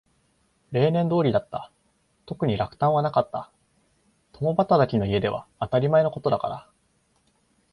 例年通りだった。特に落胆はなかった。共働きの家では当たり前のことだから。